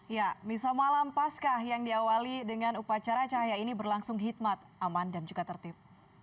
ya misa malam pascah yang diawali dengan upacara cahaya ini berlangsung hikmat aman dan juga tertib